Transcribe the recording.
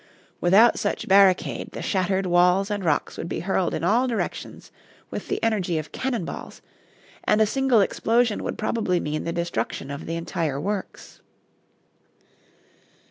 Without such barricade the shattered walls and rocks would be hurled in all directions with the energy of cannonballs, and a single explosion would probably mean the destruction of the entire works.